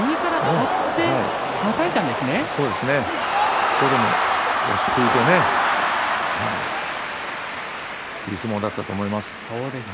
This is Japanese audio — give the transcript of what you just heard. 最後も落ち着いてねいい相撲だったと思います。